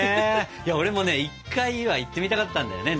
俺もね１回は行ってみたかったんだよね。